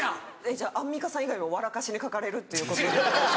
じゃあアンミカさん以外も笑かしにかかれるっていうこと。